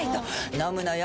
飲むのよ